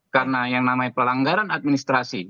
karena yang namanya pelanggaran administrasi